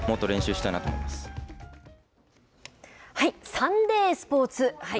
サンデースポーツ。